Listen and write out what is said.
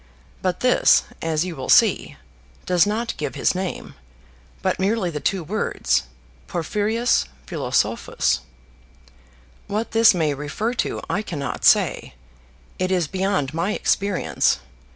But this, as you will see, does not give his name, but merely the two words 'Porphyrius philosophus.' What this may refer to I cannot say: it is beyond my experience.